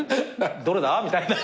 どれだ？みたいな。